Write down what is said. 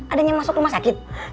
adanya masuk rumah sakit